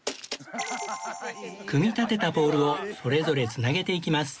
組み立てたポールをそれぞれ繋げていきます